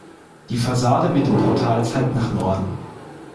Die Fassade mit dem Portal zeigt nach Norden.